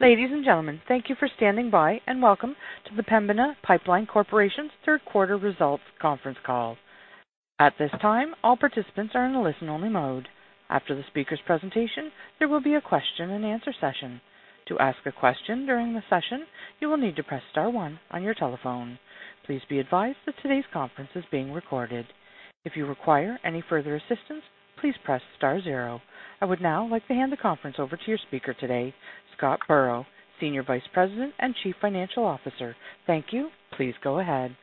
Ladies and gentlemen, thank you for standing by, and welcome to the Pembina Pipeline Corporation's third quarter results conference call. At this time, all participants are in a listen-only mode. After the speaker's presentation, there will be a question and answer session. To ask a question during the session, you will need to press star one on your telephone. Please be advised that today's conference is being recorded. If you require any further assistance, please press star zero. I would now like to hand the conference over to your speaker today, Scott Burrows, Senior Vice President and Chief Financial Officer. Thank you. Please go ahead.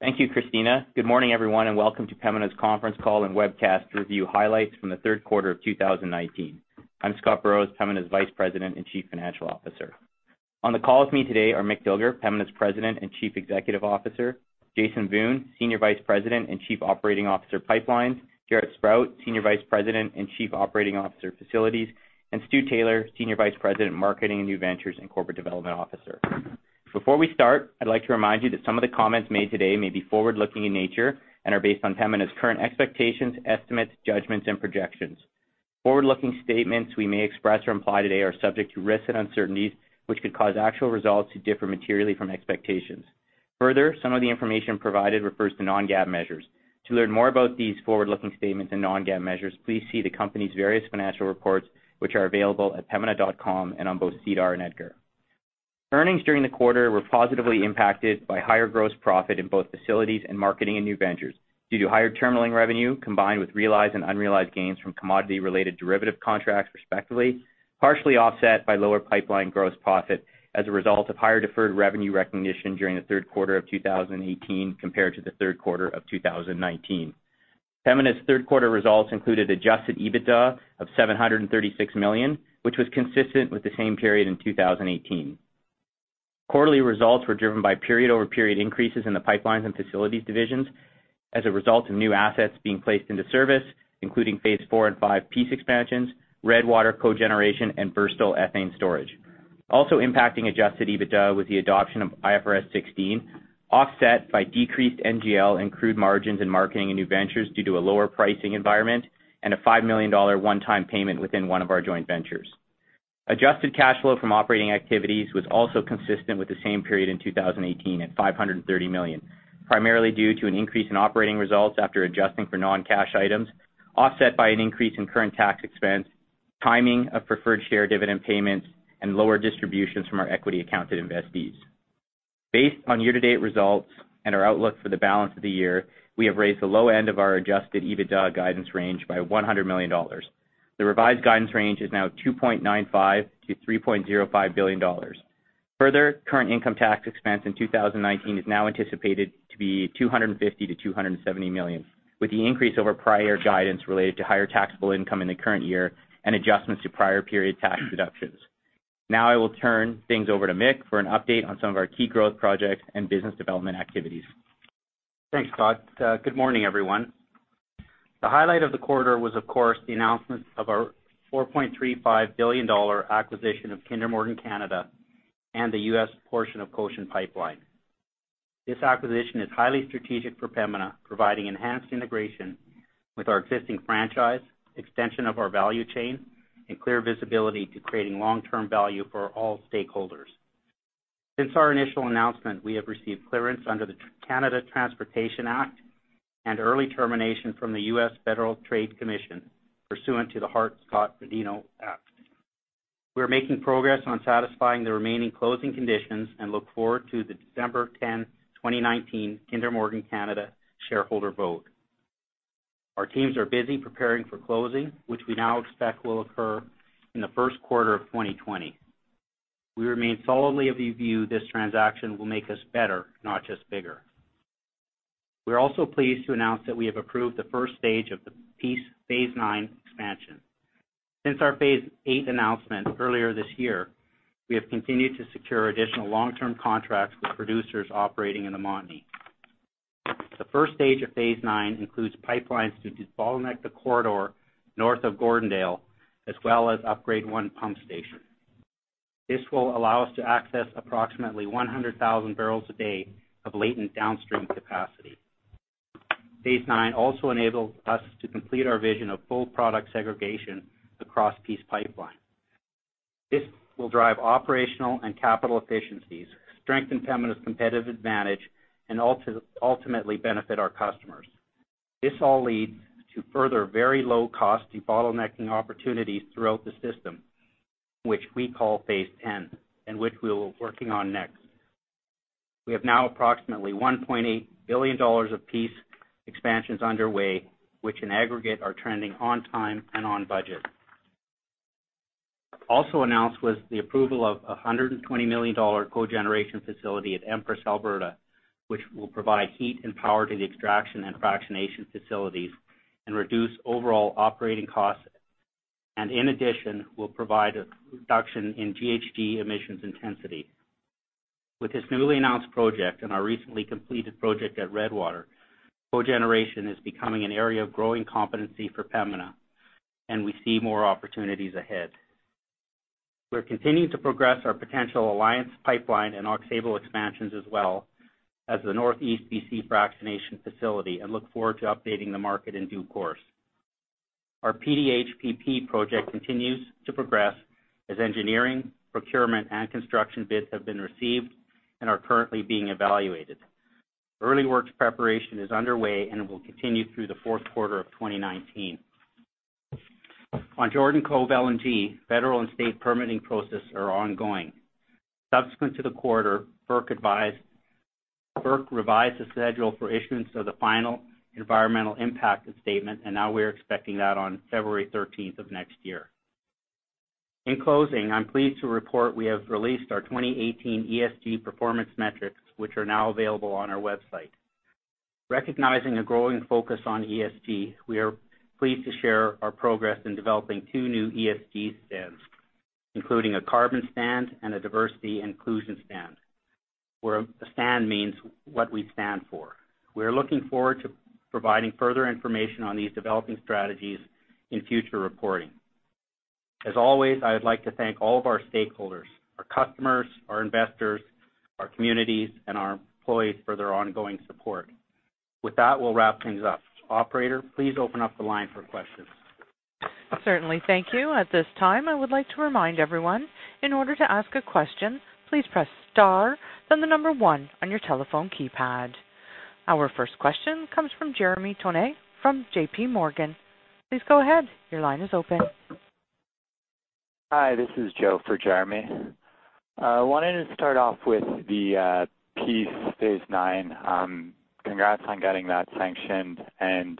Thank you, Christina. Good morning, everyone, and welcome to Pembina's conference call and webcast to review highlights from the third quarter of 2019. I'm Scott Burrows, Pembina's Vice President and Chief Financial Officer. On the call with me today are Mick Dilger, Pembina's President and Chief Executive Officer, Jason Wiun, Senior Vice President and Chief Operating Officer, Pipelines, Jaret Sprott, Senior Vice President and Chief Operating Officer, Facilities, and Stu Taylor, Senior Vice President, Marketing and New Ventures and Corporate Development Officer. Before we start, I'd like to remind you that some of the comments made today may be forward-looking in nature and are based on Pembina's current expectations, estimates, judgments, and projections. Forward-looking statements we may express or imply today are subject to risks and uncertainties, which could cause actual results to differ materially from expectations. Further, some of the information provided refers to non-GAAP measures. To learn more about these forward-looking statements and non-GAAP measures, please see the company's various financial reports, which are available at pembina.com and on both SEDAR and EDGAR. Earnings during the quarter were positively impacted by higher gross profit in both facilities and marketing and new ventures due to higher terminalling revenue, combined with realized and unrealized gains from commodity-related derivative contracts, respectively, partially offset by lower pipeline gross profit as a result of higher deferred revenue recognition during the third quarter of 2018 compared to the third quarter of 2019. Pembina's third-quarter results included adjusted EBITDA of 736 million, which was consistent with the same period in 2018. Quarterly results were driven by period-over-period increases in the pipelines and facilities divisions as a result of new assets being placed into service, including Phase IV and V Peace expansions, Redwater Cogeneration, and Burstall Ethane Storage. Also impacting adjusted EBITDA was the adoption of IFRS 16, offset by decreased NGL and crude margins in marketing and new ventures due to a lower pricing environment and a 5 million dollar one-time payment within one of our joint ventures. Adjusted cash flow from operating activities was also consistent with the same period in 2018 at 530 million, primarily due to an increase in operating results after adjusting for non-cash items, offset by an increase in current tax expense, timing of preferred share dividend payments, and lower distributions from our equity-accounted investees. Based on year-to-date results and our outlook for the balance of the year, we have raised the low end of our adjusted EBITDA guidance range by 100 million dollars. The revised guidance range is now 2.95 billion-3.05 billion dollars. Further, current income tax expense in 2019 is now anticipated to be 250 million to 270 million, with the increase over prior guidance related to higher taxable income in the current year and adjustments to prior period tax deductions. Now I will turn things over to Mick for an update on some of our key growth projects and business development activities. Thanks, Scott. Good morning, everyone. The highlight of the quarter was, of course, the announcement of our 4.35 billion dollar acquisition of Kinder Morgan Canada and the U.S. portion of Cochin Pipeline. This acquisition is highly strategic for Pembina, providing enhanced integration with our existing franchise, extension of our value chain, and clear visibility to creating long-term value for all stakeholders. Since our initial announcement, we have received clearance under the Canada Transportation Act and early termination from the U.S. Federal Trade Commission pursuant to the Hart-Scott-Rodino Act. We are making progress on satisfying the remaining closing conditions and look forward to the December 10, 2019, Kinder Morgan Canada shareholder vote. Our teams are busy preparing for closing, which we now expect will occur in the first quarter of 2020. We remain solidly of the view this transaction will make us better, not just bigger. We are also pleased to announce that we have approved the first stage of the Peace Phase IX expansion. Since our Phase VIII announcement earlier this year, we have continued to secure additional long-term contracts with producers operating in the Montney. The first stage of Phase IX includes pipelines to bottleneck the corridor north of Gordondale, as well as upgrade one pump station. This will allow us to access approximately 100,000 barrels a day of latent downstream capacity. Phase IX also enables us to complete our vision of full product segregation across Peace Pipeline. This will drive operational and capital efficiencies, strengthen Pembina's competitive advantage, and ultimately benefit our customers. This all leads to further very low-cost bottlenecking opportunities throughout the system, which we call Phase 10, and which we are working on next. We have now approximately 1.8 billion dollars of Peace expansions underway, which in aggregate are trending on time and on budget. Also announced was the approval of 120 million dollar cogeneration facility at Empress, Alberta, which will provide heat and power to the extraction and fractionation facilities and reduce overall operating costs, and in addition, will provide a reduction in GHG emissions intensity. With this newly announced project and our recently completed project at Redwater, cogeneration is becoming an area of growing competency for Pembina, and we see more opportunities ahead. We're continuing to progress our potential Alliance Pipeline and Aux Sable expansions as well as the Northeast BC Fractionation Facility and look forward to updating the market in due course. Our PDH/PP project continues to progress as engineering, procurement, and construction bids have been received and are currently being evaluated. Jordan Cove LNG, federal and state permitting process are ongoing. Subsequent to the quarter, FERC revised the schedule for issuance of the final environmental impact statement, now we're expecting that on February 13th of next year. In closing, I'm pleased to report we have released our 2018 ESG performance metrics, which are now available on our website. Recognizing a growing focus on ESG, we are pleased to share our progress in developing two new ESG stands, including a carbon stand and a diversity inclusion stand, where a stand means what we stand for. We're looking forward to providing further information on these developing strategies in future reporting. As always, I would like to thank all of our stakeholders, our customers, our investors, our communities, and our employees for their ongoing support. With that, we'll wrap things up. Operator, please open up the line for questions. Certainly. Thank you. At this time, I would like to remind everyone, in order to ask a question, please press star, then the number 1 on your telephone keypad. Our first question comes from Jeremy Tonet from J.P. Morgan. Please go ahead. Your line is open. Hi, this is Joe for Jeremy. I wanted to start off with the, Peace Phase IX. Congrats on getting that sanctioned and,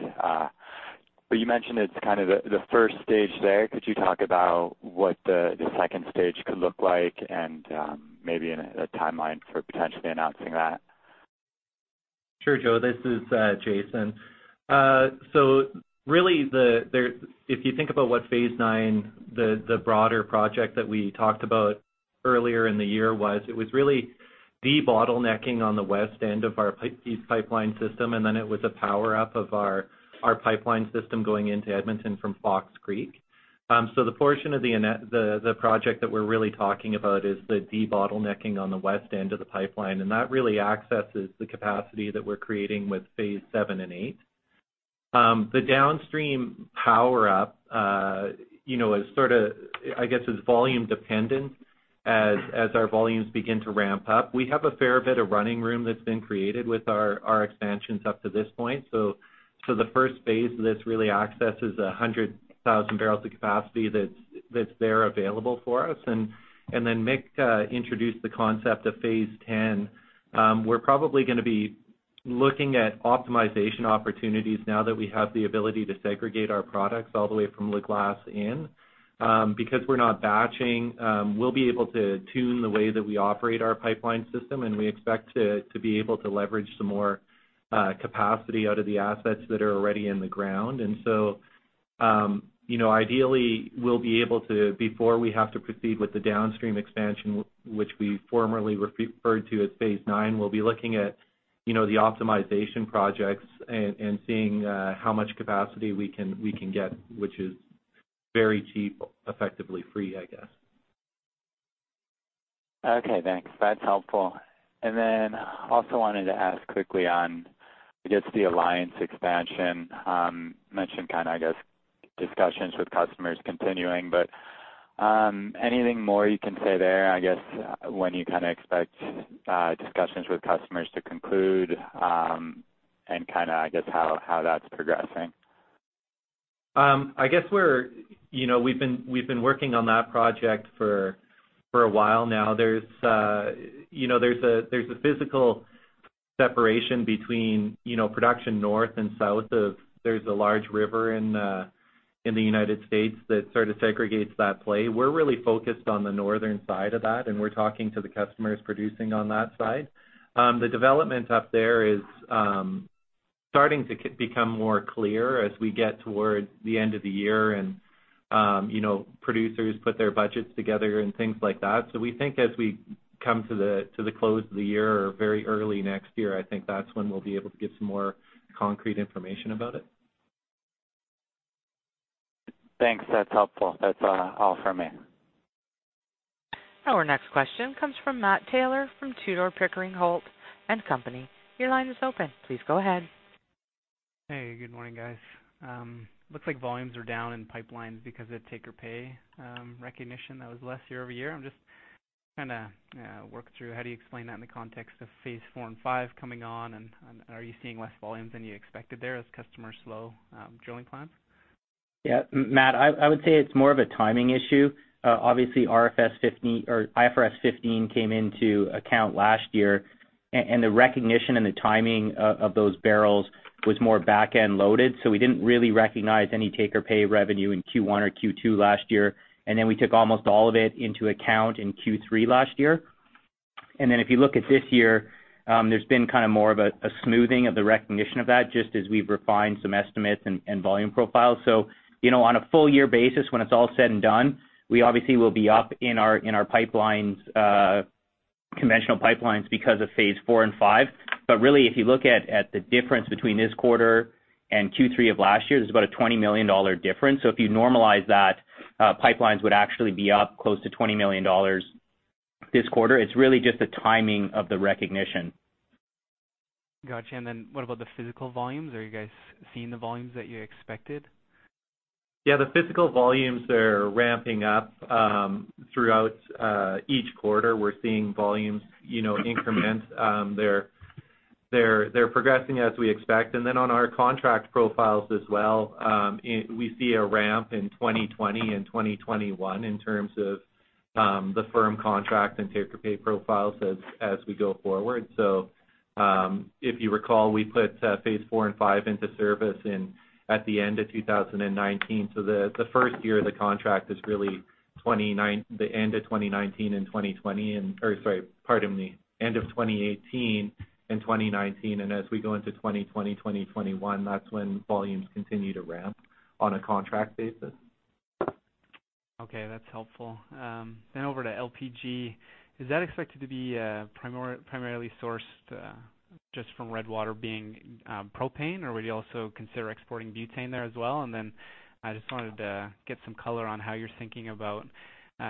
but you mentioned it's the 1st stage there. Could you talk about what the 2nd stage could look like and, maybe in a timeline for potentially announcing that? Sure, Joe. This is Jason. Really, if you think about what Phase IX, the broader project that we talked about earlier in the year was, it was really debottlenecking on the west end of our Peace Pipeline system, and then it was a power-up of our pipeline system going into Edmonton from Fox Creek. The portion of the project that we're really talking about is the debottlenecking on the west end of the pipeline, and that really accesses the capacity that we're creating with Phase VII and VIII. The downstream power-up is sort of, I guess, is volume-dependent as our volumes begin to ramp up. We have a fair bit of running room that's been created with our expansions up to this point. The first phase of this really accesses 100,000 barrels of capacity that's there available for us. Mick introduced the concept of Phase 10. We're probably gonna be looking at optimization opportunities now that we have the ability to segregate our products all the way from La Glace in. We're not batching, we'll be able to tune the way that we operate our pipeline system, and we expect to be able to leverage some more capacity out of the assets that are already in the ground. Ideally, we'll be able to, before we have to proceed with the downstream expansion, which we formerly referred to as Phase IX, we'll be looking at the optimization projects and seeing how much capacity we can get, which is very cheap, effectively free, I guess. Okay, thanks. That's helpful. Also wanted to ask quickly on the Alliance expansion. You mentioned discussions with customers continuing, anything more you can say there? When you expect discussions with customers to conclude, how that's progressing. I guess we've been working on that project for a while now. There's a physical separation between production north and south of a large river in the U.S. that sort of segregates that play. We're really focused on the northern side of that. We're talking to the customers producing on that side. The development up there is starting to become more clear as we get towards the end of the year and producers put their budgets together and things like that. We think as we come to the close of the year or very early next year, I think that's when we'll be able to give some more concrete information about it. Thanks. That's helpful. That's all for me. Our next question comes from Matthew Taylor from Tudor, Pickering, Holt & Co. Your line is open. Please go ahead. Hey, good morning, guys. Looks like volumes are down in pipelines because of take or pay recognition that was last year year-over-year. I'm just trying to work through how do you explain that in the context of Phase IV and V coming on, and are you seeing less volumes than you expected there as customers slow drilling plans? Matt, I would say it's more of a timing issue. Obviously, IFRS 15 came into account last year, and the recognition and the timing of those barrels was more back-end loaded. We didn't really recognize any take or pay revenue in Q1 or Q2 last year, and then we took almost all of it into account in Q3 last year. If you look at this year, there's been more of a smoothing of the recognition of that, just as we've refined some estimates and volume profiles. On a full year basis, when it's all said and done, we obviously will be up in our conventional pipelines because of Phase Four and Five. Really, if you look at the difference between this quarter Q3 of last year, there's about a 20 million dollar difference. If you normalize that, pipelines would actually be up close to 20 million dollars this quarter. It's really just the timing of the recognition. Got you. What about the physical volumes? Are you guys seeing the volumes that you expected? Yeah, the physical volumes are ramping up, throughout each quarter. We're seeing volumes, increments. They're progressing as we expect. On our contract profiles as well, we see a ramp in 2020 and 2021 in terms of the firm contract and take-or-pay profiles as we go forward. If you recall, we put Phase IV and Phase V into service at the end of 2019. The first year of the contract is really the end of 2018 and 2019. As we go into 2020, 2021, that's when volumes continue to ramp on a contract basis. Okay, that's helpful. Over to LPG. Is that expected to be primarily sourced, just from Redwater being propane? Or would you also consider exporting butane there as well? I just wanted to get some color on how you're thinking about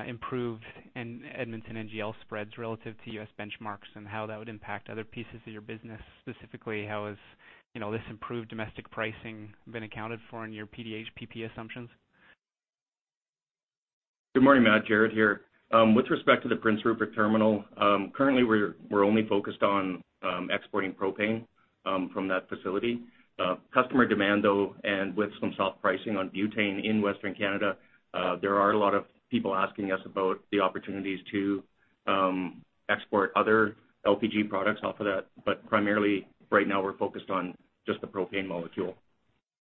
improved Edmonton NGL spreads relative to U.S. benchmarks, and how that would impact other pieces of your business. Specifically, how has this improved domestic pricing been accounted for in your PDH PP assumptions? Good morning, Matt, Jaret here. With respect to the Prince Rupert Terminal, currently we're only focused on exporting propane from that facility. Customer demand, though, and with some soft pricing on butane in Western Canada, there are a lot of people asking us about the opportunities to export other LPG products off of that. Primarily, right now, we're focused on just the propane molecule.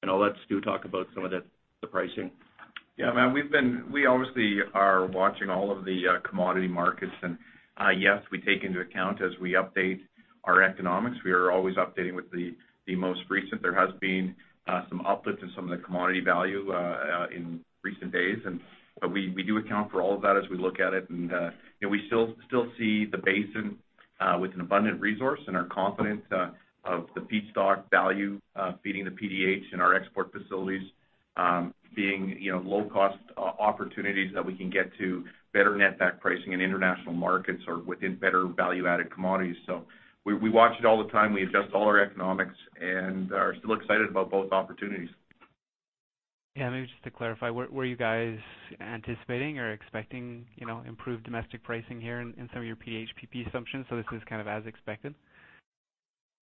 I'll let Stu talk about some of the pricing. Yeah, Matt, we obviously are watching all of the commodity markets. Yes, we take into account as we update our economics. We are always updating with the most recent. There has been some uplift in some of the commodity value in recent days, and we do account for all of that as we look at it. We still see the basin with an abundant resource and are confident of the feedstock value feeding the PDH and our export facilities being low-cost opportunities that we can get to better net-back pricing in international markets or within better value-added commodities. We watch it all the time. We adjust all our economics and are still excited about both opportunities. Yeah. Maybe just to clarify, were you guys anticipating or expecting improved domestic pricing here in some of your PDH/PP assumptions, so this is kind of as expected?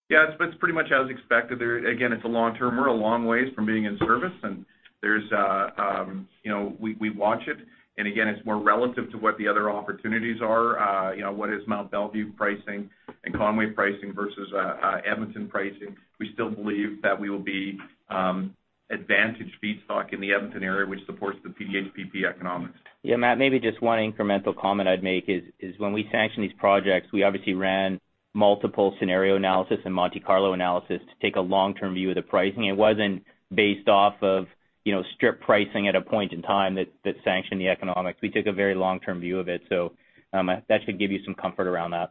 Yeah, it's pretty much as expected there. Again, it's a long-term. We're a long ways from being in service. We watch it. Again, it's more relative to what the other opportunities are. What is Mont Belvieu pricing and Conway pricing versus Edmonton pricing? We still believe that we will be advantaged feedstock in the Edmonton area, which supports the PDH/PP economics. Yeah, Matt, maybe just one incremental comment I'd make is when we sanctioned these projects, we obviously ran multiple scenario analysis and Monte Carlo analysis to take a long-term view of the pricing. It wasn't based off of strip pricing at a point in time that sanctioned the economics. We took a very long-term view of it. That should give you some comfort around that.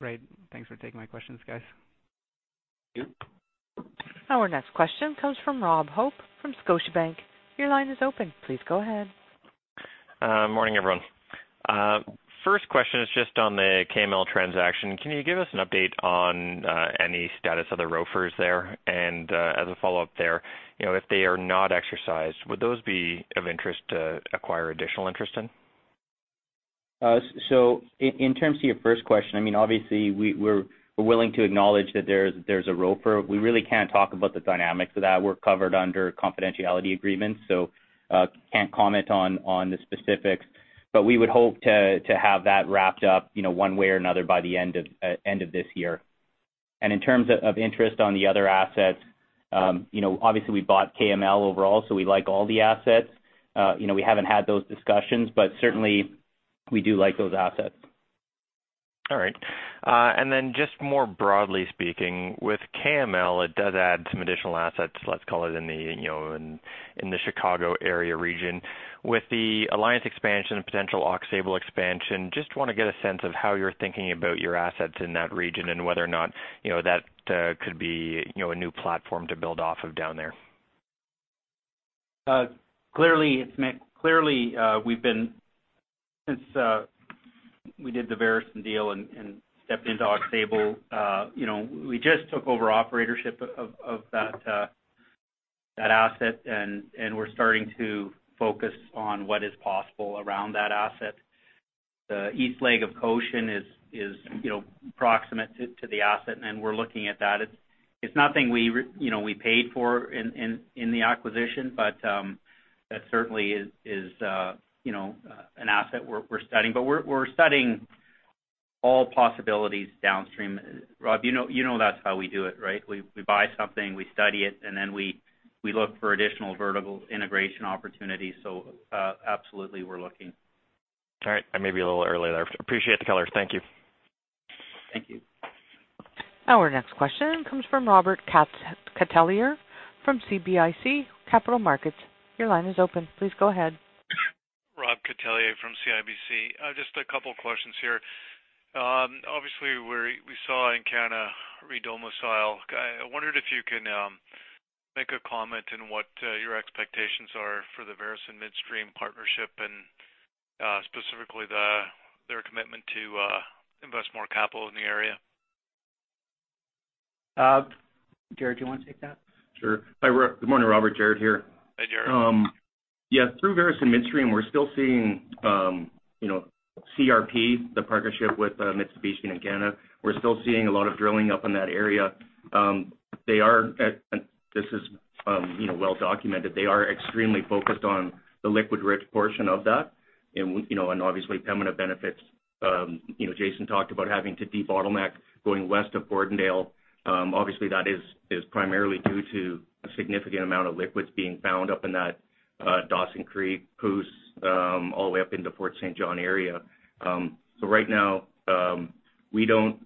Great. Thanks for taking my questions, guys. Thank you. Our next question comes from Robert Hope from Scotiabank. Your line is open. Please go ahead. Morning, everyone. First question is just on the KML transaction. Can you give us an update on any status of the ROFRs there? As a follow-up there, if they are not exercised, would those be of interest to acquire additional interest in? In terms of your first question, obviously, we're willing to acknowledge that there's a ROFR. We really can't talk about the dynamics of that. We're covered under confidentiality agreements, so can't comment on the specifics, but we would hope to have that wrapped up one way or another by the end of this year. In terms of interest on the other assets, obviously we bought KML overall, so we like all the assets. We haven't had those discussions, but certainly we do like those assets. All right. Just more broadly speaking, with KML, it does add some additional assets, let's call it in the Chicago area region. With the Alliance expansion and potential Aux Sable expansion, just want to get a sense of how you're thinking about your assets in that region and whether or not that could be a new platform to build off of down there. Clearly, since we did the Veresen deal and stepped into Aux Sable, we just took over operatorship of that asset, and we're starting to focus on what is possible around that asset. The east leg of Cochin is proximate to the asset, and we're looking at that. It's nothing we paid for in the acquisition, but that certainly is an asset we're studying. We're studying all possibilities downstream. Rob, you know that's how we do it, right? We buy something, we study it, and then we look for additional vertical integration opportunities. Absolutely, we're looking. All right. I may be a little early there. Appreciate the color. Thank you. Thank you. Our next question comes from Robert Catellier from CIBC Capital Markets. Your line is open. Please go ahead. Rob Catellier from CIBC. Just a couple of questions here. Obviously, we saw Encana re-domicile. I wondered if you can make a comment on what your expectations are for the Veresen Midstream partnership, and specifically their commitment to invest more capital in the area. Jaret, do you want to take that? Sure. Good morning, Robert. Jaret here. Hi, Jaret. Through Veresen Midstream, we're still seeing CRP, the partnership with Mitsubishi and Encana. We're still seeing a lot of drilling up in that area. This is well documented. They are extremely focused on the liquid-rich portion of that and obviously Pembina benefits. Jason talked about having to debottleneck going west of Gordondale. Obviously, that is primarily due to a significant amount of liquids being found up in that Dawson Creek, Pouce Coupe, all the way up into Fort St. John area. Right now, we don't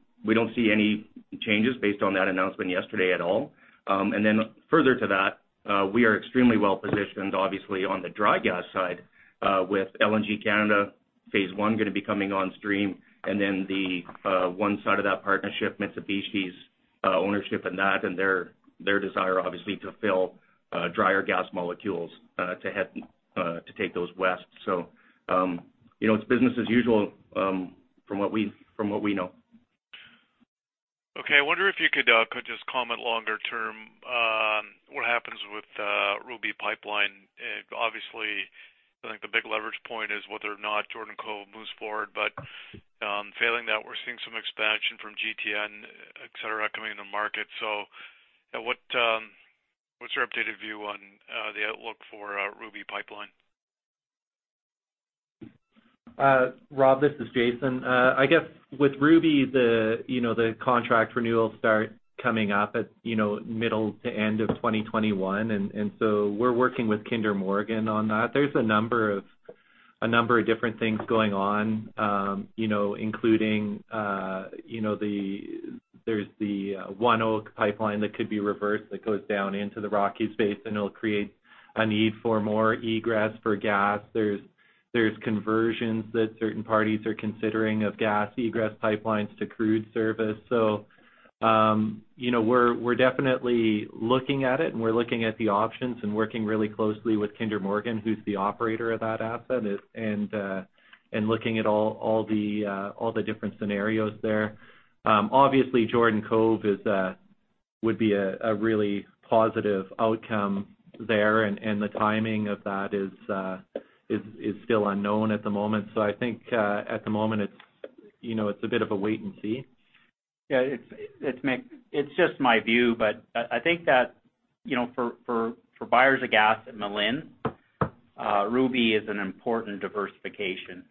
see any changes based on that announcement yesterday at all. Further to that, we are extremely well-positioned, obviously, on the dry gas side with LNG Canada, phase one going to be coming on stream, and then the one side of that partnership, Mitsubishi's ownership in that and their desire, obviously, to fill drier gas molecules to take those west. It's business as usual from what we know. I wonder if you could just comment longer term, what happens with Ruby Pipeline? I think the big leverage point is whether or not Jordan Cove moves forward. Failing that, we're seeing some expansion from GTN, et cetera, coming in the market. What's your updated view on the outlook for Ruby Pipeline? Rob, this is Jason. With Ruby Pipeline, the contract renewals start coming up at middle to end of 2021, we're working with Kinder Morgan on that. There's a number of different things going on, including there's the ONEOK Pipeline that could be reversed, that goes down into the Rockies space, and it'll create a need for more egress for gas. There's conversions that certain parties are considering of gas egress pipelines to crude service. We're definitely looking at it and we're looking at the options and working really closely with Kinder Morgan, who's the operator of that asset, and looking at all the different scenarios there. Obviously, Jordan Cove would be a really positive outcome there, and the timing of that is still unknown at the moment. I think at the moment it's a bit of a wait and see. Yeah. It's just my view, but I think that for buyers of gas at Malin, Ruby is an important diversification.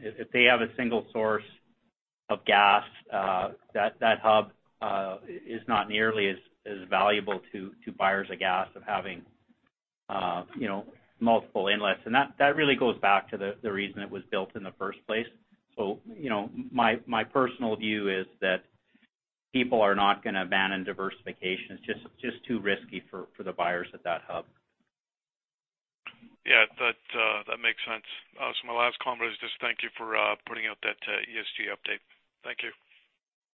If they have a single source of gas, that hub is not nearly as valuable to buyers of gas of having multiple inlets. That really goes back to the reason it was built in the first place. My personal view is that people are not going to abandon diversification. It's just too risky for the buyers at that hub. Yeah, that makes sense. My last comment is just thank you for putting out that ESG update. Thank you.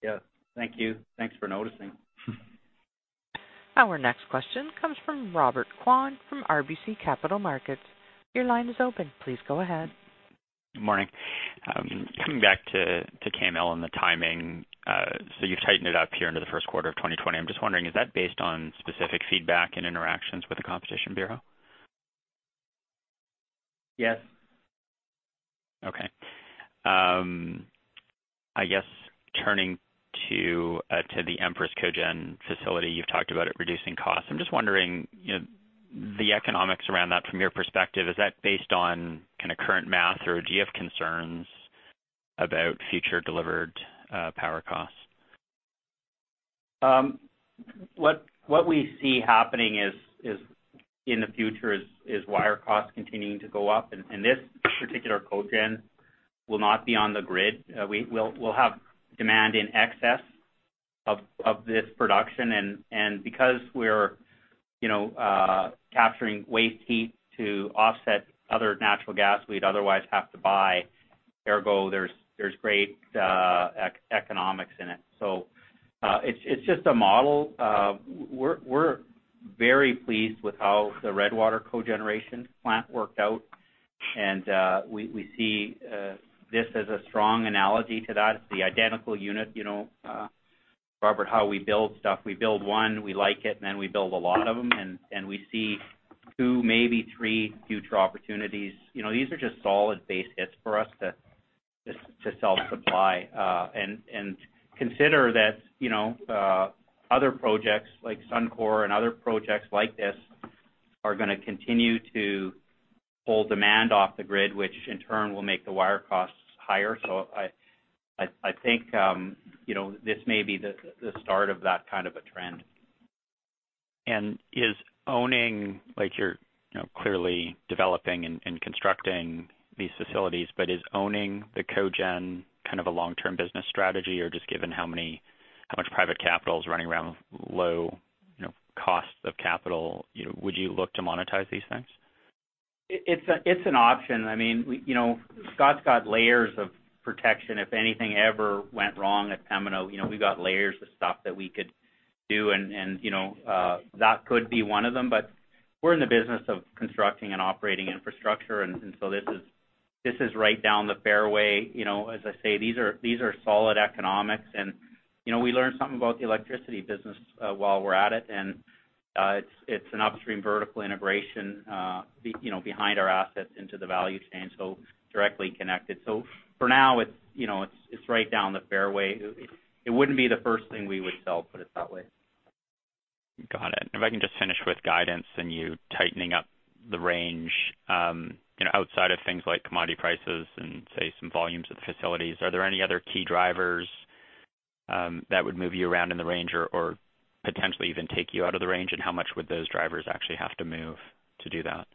Yeah. Thank you. Thanks for noticing. Our next question comes from Robert Kwan from RBC Capital Markets. Your line is open. Please go ahead. Good morning. Coming back to KML and the timing. You've tightened it up here into the first quarter of 2020. I'm just wondering, is that based on specific feedback and interactions with the Competition Bureau? Yes. Okay. I guess turning to the Empress Cogen facility, you've talked about it reducing costs. I'm just wondering, the economics around that from your perspective, is that based on current math or do you have concerns about future delivered power costs? What we see happening in the future is wire costs continuing to go up, and this particular cogen will not be on the grid. We'll have demand in excess of this production, and because we're capturing waste heat to offset other natural gas we'd otherwise have to buy, ergo, there's great economics in it. It's just a model. We're very pleased with how the Redwater Cogeneration plant worked out, and we see this as a strong analogy to that. It's the identical unit. Robert, how we build stuff, we build one, we like it, and then we build a lot of them, and we see two, maybe three future opportunities. These are just solid base hits for us to self-supply. Consider that other projects, like Suncor and other projects like this, are going to continue to pull demand off the grid, which in turn will make the wire costs higher. I think this may be the start of that kind of a trend. You're clearly developing and constructing these facilities, but is owning the cogen a long-term business strategy? Just given how much private capital is running around low cost of capital, would you look to monetize these things? It's an option. Scott's got layers of protection if anything ever went wrong at Pembina. We've got layers of stuff that we could do, and that could be one of them. We're in the business of constructing and operating infrastructure, and so this is right down the fairway. As I say, these are solid economics, and we learn something about the electricity business while we're at it, and it's an upstream vertical integration behind our assets into the value chain, so directly connected. For now, it's right down the fairway. It wouldn't be the first thing we would sell, put it that way. Got it. If I can just finish with guidance and you tightening up the range outside of things like commodity prices and, say, some volumes of the facilities, are there any other key drivers that would move you around in the range or potentially even take you out of the range? How much would those drivers actually have to move to do that?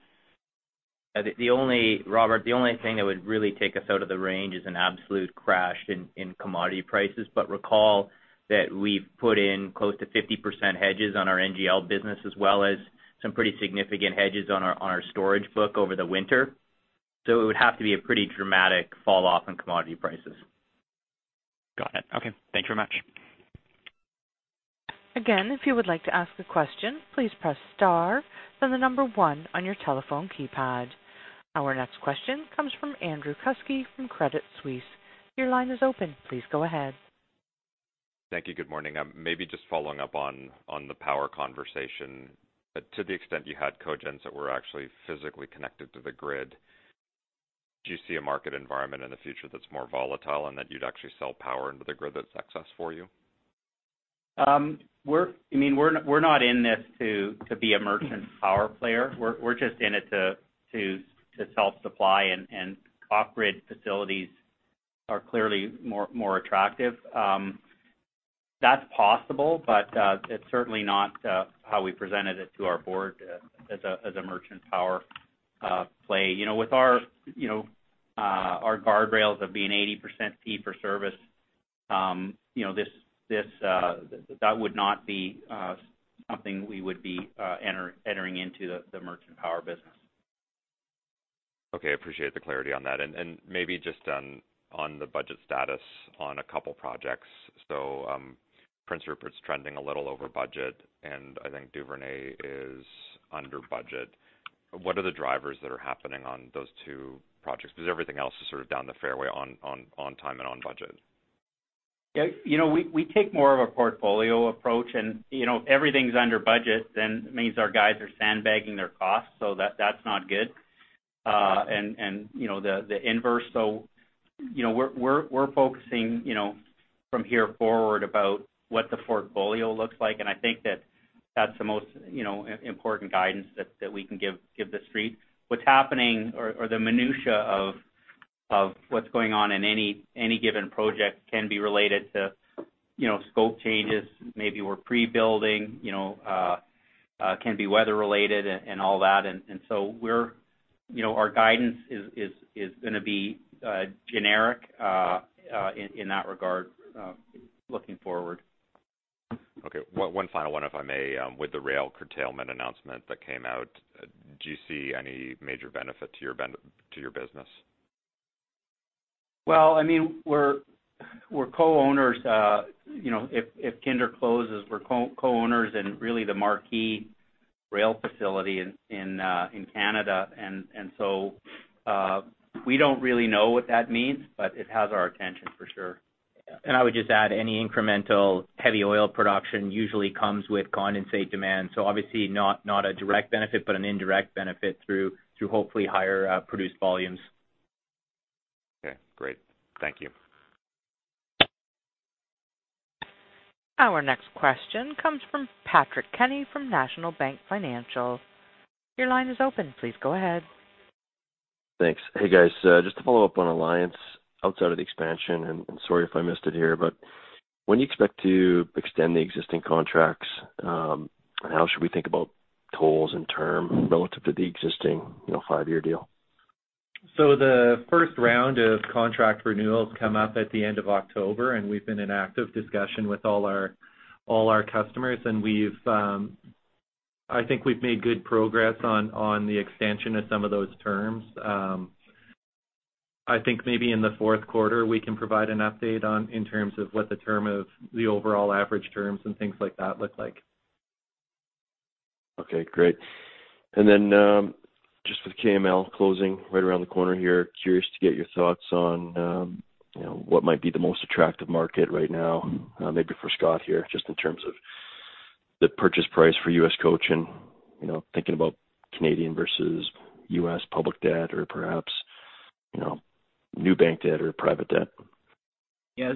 Robert, the only thing that would really take us out of the range is an absolute crash in commodity prices. Recall that we've put in close to 50% hedges on our NGL business, as well as some pretty significant hedges on our storage book over the winter. It would have to be a pretty dramatic falloff in commodity prices. Got it. Okay. Thank you very much. Again, if you would like to ask a question, please press star, then the number one on your telephone keypad. Our next question comes from Andrew Kuske from Credit Suisse. Your line is open. Please go ahead. Thank you. Good morning. Maybe just following up on the power conversation. To the extent you had cogens that were actually physically connected to the grid, do you see a market environment in the future that's more volatile and that you'd actually sell power into the grid that's excess for you? We're not in this to be a merchant power player. We're just in it to self-supply and off-grid facilities are clearly more attractive. That's possible, but it's certainly not how we presented it to our board as a merchant power play. With our guardrails of being 80% fee-for-service, that would not be something we would be entering into the merchant power business. Okay. Appreciate the clarity on that. Maybe just on the budget status on a couple projects. Prince Rupert's trending a little over budget, and I think Duvernay is under budget. What are the drivers that are happening on those two projects? Everything else is sort of down the fairway on time and on budget. We take more of a portfolio approach, and if everything's under budget, then it means our guys are sandbagging their costs, so that's not good. The inverse. We're focusing from here forward about what the portfolio looks like, and I think that that's the most important guidance that we can give the Street. What's happening or the minutia of what's going on in any given project can be related to scope changes. Maybe we're pre-building. Can be weather related and all that. Our guidance is going to be generic in that regard looking forward. Okay. One final one, if I may. With the rail curtailment announcement that came out, do you see any major benefit to your business? Well, if Kinder closes, we're co-owners in really the marquee rail facility in Canada. We don't really know what that means, but it has our attention for sure. I would just add, any incremental heavy oil production usually comes with condensate demand. Obviously not a direct benefit, but an indirect benefit through hopefully higher produced volumes. Okay, great. Thank you. Our next question comes from Patrick Kenny from National Bank Financial. Your line is open. Please go ahead. Thanks. Hey, guys. Just to follow up on Alliance Pipeline outside of the expansion, and sorry if I missed it here, but when do you expect to extend the existing contracts? How should we think about tolls and term relative to the existing five-year deal? The first round of contract renewals come up at the end of October, and we've been in active discussion with all our customers, and I think we've made good progress on the extension of some of those terms. I think maybe in the fourth quarter, we can provide an update in terms of what the term of the overall average terms and things like that look like. Okay, great. Just with KML closing right around the corner here, curious to get your thoughts on what might be the most attractive market right now. Maybe for Scott here, just in terms of the purchase price for US Cochin and thinking about Canadian versus U.S. public debt or perhaps new bank debt or private debt. Yeah.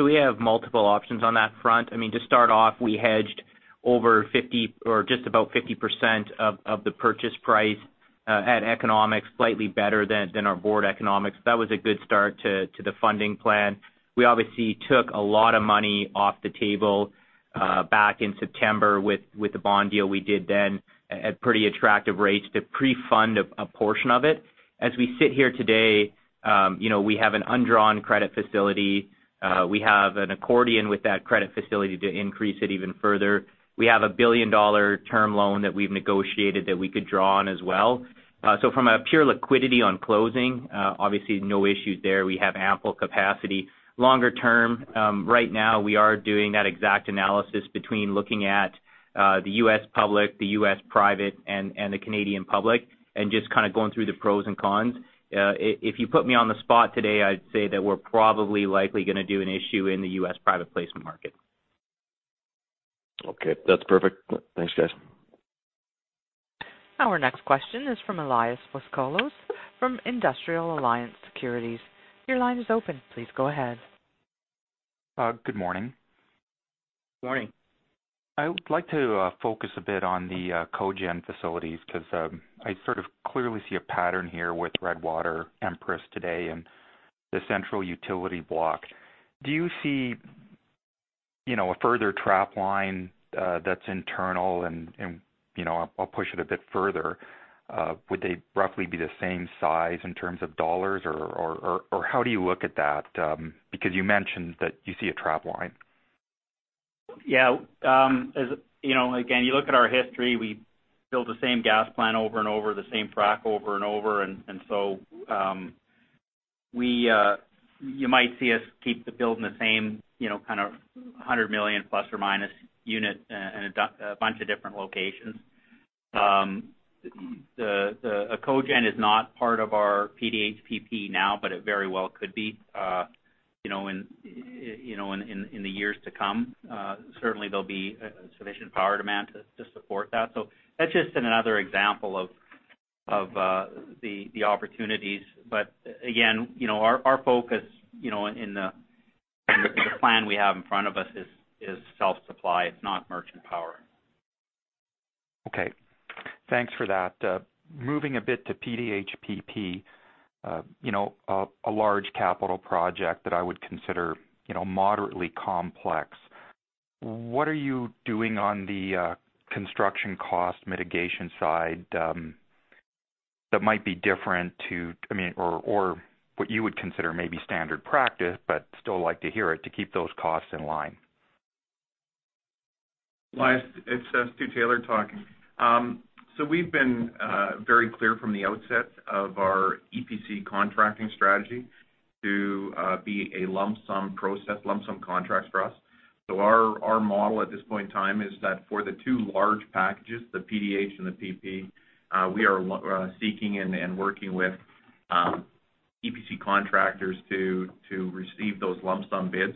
We have multiple options on that front. To start off, we hedged over 50 or just about 50% of the purchase price at economics, slightly better than our board economics. That was a good start to the funding plan. We obviously took a lot of money off the table back in September with the bond deal we did then at pretty attractive rates to pre-fund a portion of it. As we sit here today, we have an undrawn credit facility. We have an accordion with that credit facility to increase it even further. We have a billion-dollar term loan that we've negotiated that we could draw on as well. From a pure liquidity on closing, obviously no issues there. We have ample capacity. Longer term, right now we are doing that exact analysis between looking at the U.S. public, the U.S. private, and the Canadian public, and just kind of going through the pros and cons. If you put me on the spot today, I'd say that we're probably likely going to do an issue in the U.S. private placement market. Okay. That's perfect. Thanks, guys. Our next question is from Elias Foscolos from Industrial Alliance Securities. Your line is open. Please go ahead. Good morning. Morning. I would like to focus a bit on the cogen facilities, because I sort of clearly see a pattern here with Redwater Empress today and the central utility block. Do you see a further trap line that's internal? I'll push it a bit further. Would they roughly be the same size in terms of dollars, or how do you look at that? You mentioned that you see a trap line. Yeah. Again, you look at our history, we build the same gas plant over and over, the same frac over and over. You might see us keep building the same kind of 100 million plus or minus unit in a bunch of different locations. A cogen is not part of our PDH PP now, it very well could be in the years to come. Certainly, there'll be sufficient power demand to support that. That's just another example of the opportunities. Again, our focus in the plan we have in front of us is self-supply. It's not merchant power. Okay. Thanks for that. Moving a bit to PDH PP, a large capital project that I would consider moderately complex. What are you doing on the construction cost mitigation side that might be different to Or what you would consider maybe standard practice, but still like to hear it, to keep those costs in line? Elias, it's Stuart Taylor talking. We've been very clear from the outset of our EPC contracting strategy to be a lump sum process, lump sum contracts for us. Our model at this point in time is that for the two large packages, the PDH and the PP, we are seeking and working with EPC contractors to receive those lump sum bids.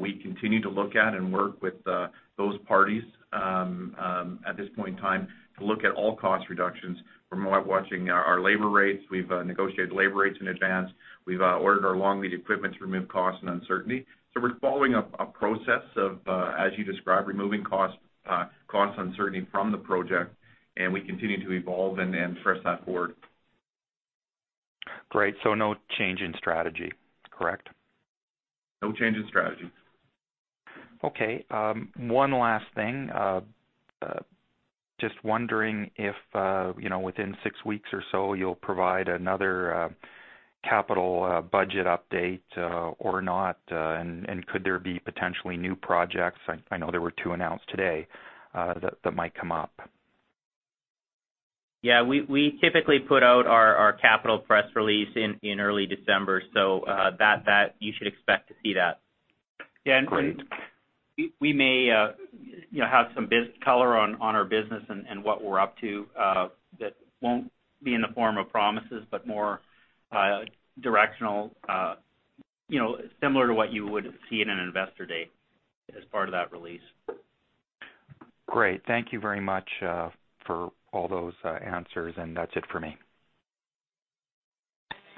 We continue to look at and work with those parties, at this point in time, to look at all cost reductions from watching our labor rates. We've negotiated labor rates in advance. We've ordered our long-lead equipment to remove cost and uncertainty. We're following a process of, as you described, removing cost uncertainty from the project, and we continue to evolve and press that forward. Great. No change in strategy, correct? No change in strategy. Okay. One last thing. Just wondering if, within six weeks or so, you'll provide another capital budget update or not. Could there be potentially new projects, I know there were two announced today, that might come up? Yeah. We typically put out our capital press release in early December, so you should expect to see that. Great. We may have some color on our business and what we're up to, that won't be in the form of promises, but more directional, similar to what you would see in an investor day as part of that release. Great. Thank you very much for all those answers. That's it for me.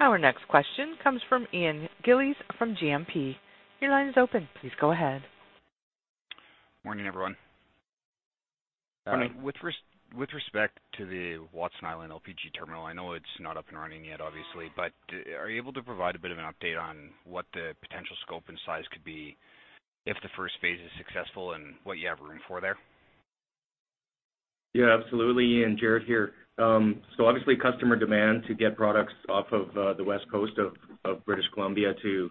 Our next question comes from Ian Gillies from GMP. Your line is open. Please go ahead. Morning, everyone. Morning. With respect to the Watson Island LPG terminal, I know it's not up and running yet, obviously, but are you able to provide a bit of an update on what the potential scope and size could be if the first phase is successful, and what you have room for there? Yeah, absolutely, Ian. Jaret here. Obviously, customer demand to get products off of the West Coast of British Columbia to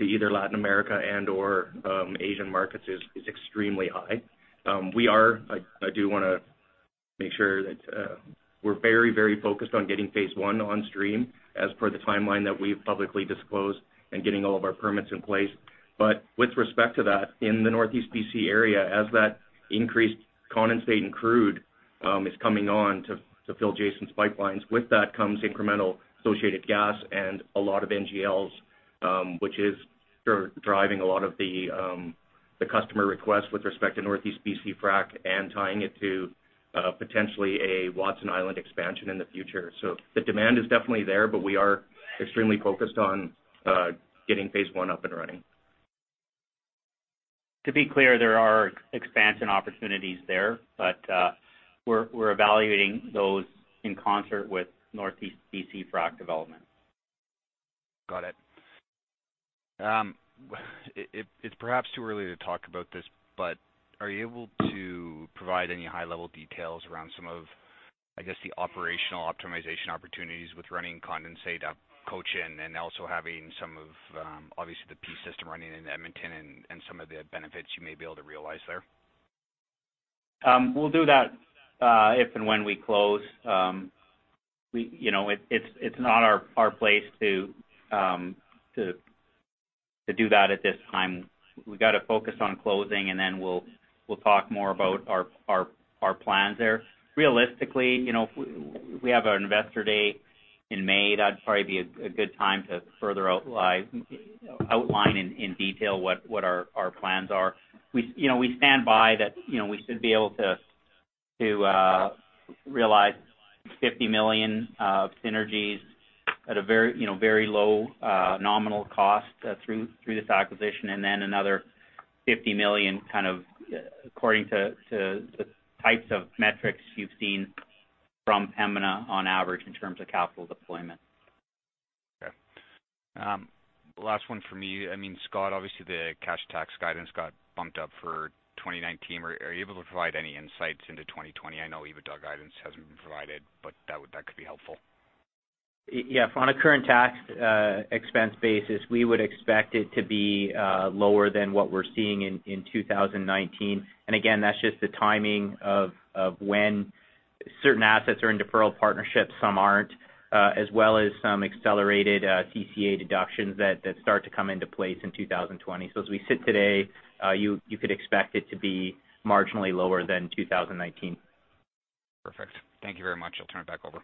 either Latin America and/or Asian markets is extremely high. I do want to make sure that we're very focused on getting Phase 1 on stream as per the timeline that we've publicly disclosed and getting all of our permits in place. With respect to that, in the Northeast BC area, as that increased condensate and crude is coming on to fill Jason's pipelines, with that comes incremental associated gas and a lot of NGLs, which is driving a lot of the customer requests with respect to Northeast BC Frac and tying it to potentially a Watson Island expansion in the future. The demand is definitely there, but we are extremely focused on getting Phase 1 up and running. To be clear, there are expansion opportunities there, but we're evaluating those in concert with Northeast BC Frac development. Got it. It's perhaps too early to talk about this, but are you able to provide any high-level details around some of, I guess, the operational optimization opportunities with running condensate out of Cochin and also having some of, obviously, the P system running in Edmonton and some of the benefits you may be able to realize there? We'll do that if and when we close. It's not our place to do that at this time. We've got to focus on closing, and then we'll talk more about our plans there. Realistically, we have our investor day in May. That'd probably be a good time to further outline in detail what our plans are. We stand by that we should be able to realize 50 million of synergies at a very low nominal cost through this acquisition, and then another 50 million according to the types of metrics you've seen from Pembina on average in terms of capital deployment. Okay. Last one from me. Scott, obviously, the cash tax guidance got bumped up for 2019. Are you able to provide any insights into 2020? I know EBITDA guidance hasn't been provided, but that could be helpful. Yeah. On a current tax expense basis, we would expect it to be lower than what we're seeing in 2019. Again, that's just the timing of when certain assets are in deferral partnerships, some aren't, as well as some accelerated CCA deductions that start to come into place in 2020. As we sit today, you could expect it to be marginally lower than 2019. Perfect. Thank you very much. I'll turn it back over.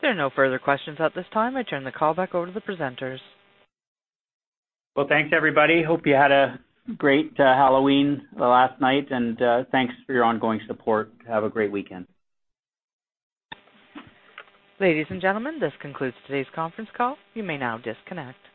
There are no further questions at this time. I turn the call back over to the presenters. Well, thanks everybody. Hope you had a great Halloween last night, and thanks for your ongoing support. Have a great weekend. Ladies and gentlemen, this concludes today's conference call. You may now disconnect.